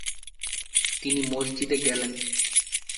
তিনি মসজিদে গেলেন।